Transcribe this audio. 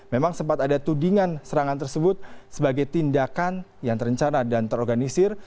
memang sempat ada tudingan serangan tersebut sebagai tindakan yang terencana dan terorganisir